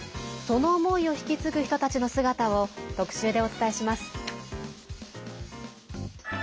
その思いを引き継ぐ人たちの姿を特集でお伝えします。